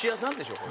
これ。